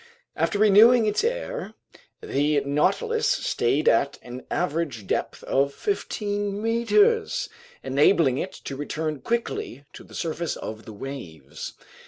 After renewing its air, the Nautilus stayed at an average depth of fifteen meters, enabling it to return quickly to the surface of the waves.